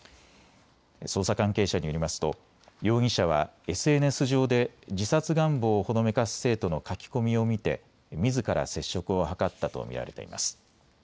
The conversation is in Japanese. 捜査関係者によりますと容疑者はＳＮＳ上で自殺願望をほのめかす生徒の書き込みを見てみずから接触を図ったと見られています。